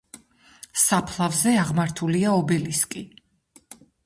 საფლავზე აღმართულია ობელისკი.